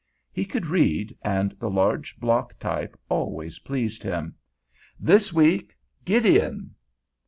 He could read, and the large block type always pleased him. "THIS WEEK: GIDEON."